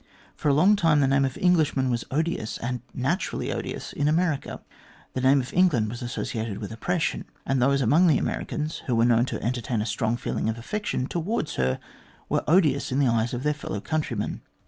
For a long time the name of Englishman was odious, and naturally odious, in America. The name of England was associated with oppression, and those among the Americans who were known to entertain a strong feeling of affection towards her were odious in the eyes of their fellow countrymen.